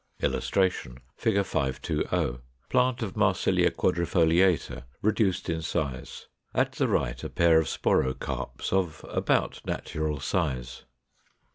[Illustration: Fig. 520. Plant of Marsilia quadrifoliata, reduced in size; at the right a pair of sporocarps of about natural size.